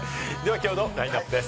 きょうのラインナップです。